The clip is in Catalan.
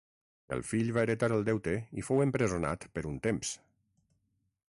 El fill va heretar el deute i fou empresonat per un temps.